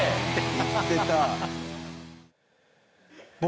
「言ってた」